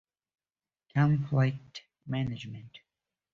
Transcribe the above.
My good woman — dear me, what a situation — pray consider.